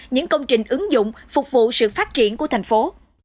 những công trình ứng dụng phục vụ sự phát triển của thành phố